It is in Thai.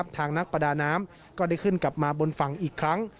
ทางนักประดาน้ำก็ได้ขึ้นกลับมาบนฝั่งอีกครั้ง